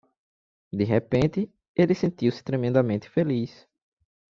De repente, ele sentiu-se tremendamente feliz.